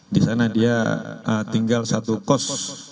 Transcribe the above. di sana dia tinggal satu kos